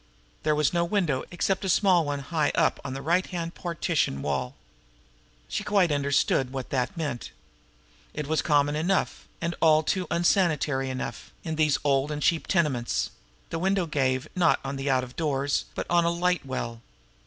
There was no window, except a small one high up in the right hand partition wall. She quite understood what that meant. It was common enough, and all too unsanitary enough, in these old and cheap tenements; the window gave, not on the out of doors, but on a light well.